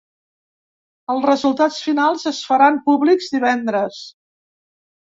Els resultats finals es faran públics divendres.